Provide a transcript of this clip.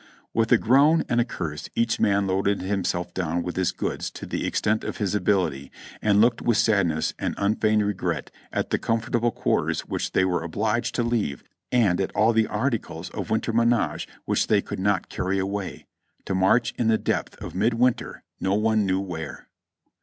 With a groan and a curse each man loaded himself down with his goods to the extent of his ability, and looked with sadness and unfeigned regret at the comfortable quarters v/hich they were obliged to leave and at all the articles of winter menage which they could not carry away — to march in the depth of mid winter, no one knew where.